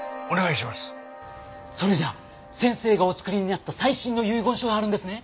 それじゃあ先生がお作りになった最新の遺言書があるんですね？